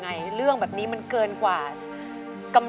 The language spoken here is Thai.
เปลี่ยนเพลงเพลงเก่งของคุณและข้ามผิดได้๑คำ